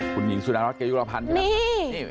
คุณหญิงสุดรักษ์เกียรติภัณฑ์นะครับค่ะนี่